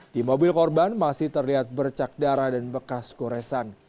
di mobil korban masih terlihat bercak darah dan bekas goresan